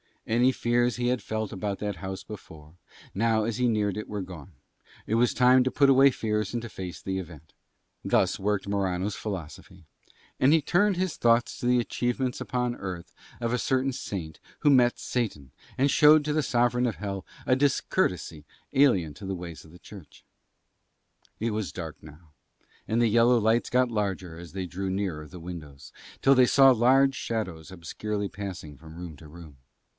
Any fears he had felt about that house before, now as he neared it were gone; it was time to put away fears and face the event; thus worked Morano's philosophy. And he turned his thoughts to the achievements upon earth of a certain Saint who met Satan, and showed to the sovereign of Hell a discourtesy alien to the ways of the Church. It was dark now, and the yellow lights got larger as they drew nearer the windows, till they saw large shadows obscurely passing from room to room.